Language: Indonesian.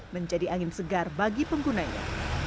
menjadi angin segar bagi penggunanya